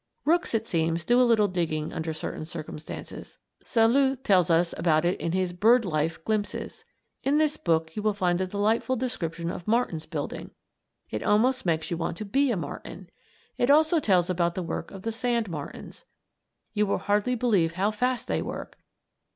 Rooks, it seems, do a little digging under certain circumstances. Selous tells about it in his "Bird Life Glimpses." In this book you will find a delightful description of martins building. It almost makes you want to be a martin. It also tells about the work of the sand martins. You will hardly believe how fast they work.